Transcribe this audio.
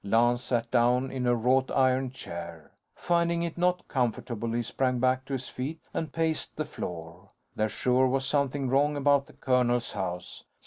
Lance sat down in a wrought iron chair. Finding it not comfortable, he sprang back to his feet and paced the floor. There sure was something wrong about the colonel's house.